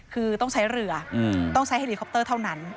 คือต้องใช้เรือต้องใช้เฮลีคอปเตอร์เท่านั้น